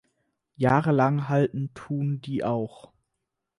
Jahrelang halten tun die auch.